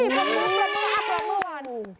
เฮ้ยประมูลเปิดกระทับแล้วเมื่อวัน